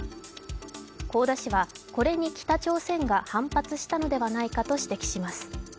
香田氏はこれに北朝鮮が反発したのではないかと指摘します。